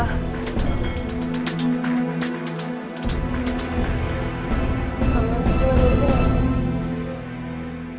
gak ada apa apa